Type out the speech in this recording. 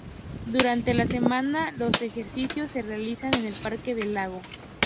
Durante la semana, los ejercicios se realizan en el Parque del Lago.